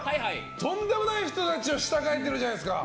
とんでもない人たちを従えてるじゃないですか。